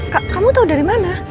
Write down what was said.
kamu tau dari mana